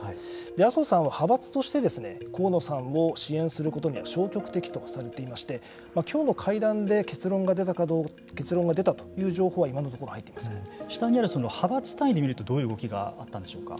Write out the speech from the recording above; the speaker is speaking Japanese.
麻生さんは派閥として河野さんを支援することには消極的とされていましてきょうの会談で結論が出たという情報は下にある派閥単位で見るとどういう動きがあったんでしょうか。